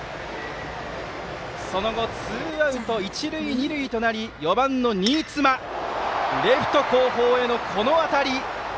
その後、ツーアウト一塁二塁となり４番の新妻レフト後方へのこの当たり。